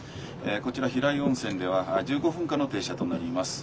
こちら平湯温泉では１５分間の停車となります。